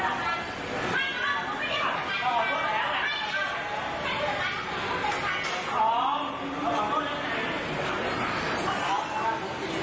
คือด้วยความเคารพนะคุณผู้ชมในโลกโซเชียล